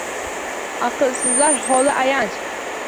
Аqlsizlar holi ayanch.